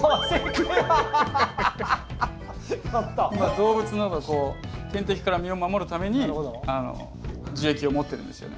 動物などの天敵から身を守るために樹液を持ってるんですよね。